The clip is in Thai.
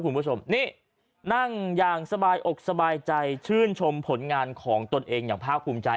คุณผู้ชมนี่นั่งอย่างสบายอกสบายใจชื่นชมผลงานของตนเองอย่างภาคภูมิใจ